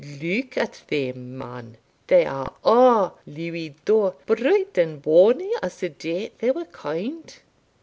Look at them, man they are a' louis d'ors, bright and bonnie as the day they were coined."